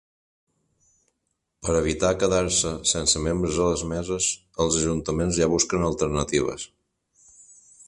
Per evitar quedar-se sense membres a les meses, els ajuntaments ja busquen alternatives.